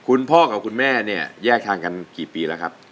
คุณพ่อกับคุณแม่เนี่ยแยกทางกันกี่ปีแล้วครับ